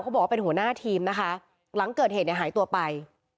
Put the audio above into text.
บอกว่าเป็นหัวหน้าทีมนะคะหลังเกิดเหตุเนี่ยหายตัวไป